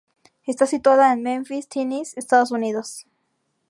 Está situada en Memphis, Tennessee, Estados Unidos.